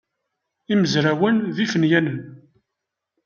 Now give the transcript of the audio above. Imezrawen d ifenyanen.